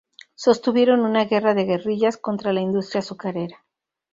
Sostuvieron una guerra de guerrillas contra la industria azucarera.